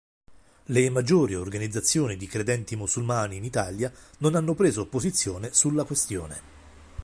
Le maggiori organizzazioni di credenti musulmani in Italia non hanno preso posizione sulla questione.